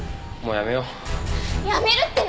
やめるって何よ！